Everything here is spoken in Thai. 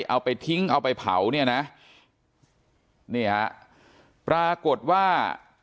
เอาไปทิ้งเอาไปเผาเนี่ยนะนี่ฮะปรากฏว่า